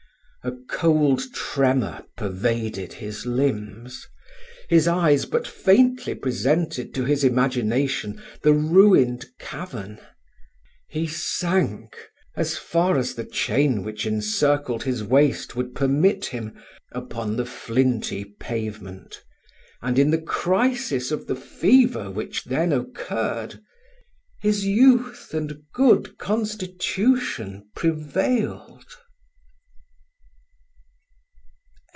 A cold tremor pervaded his limbs his eyes but faintly presented to his imagination the ruined cavern he sank, as far as the chain which encircled his waist would permit him, upon the flinty pavement; and, in the crisis of the fever which then occurred, his youth and good constitution prevailed.